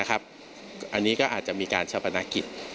อันนี้ก็อาจจะมีการชะพนักกิจ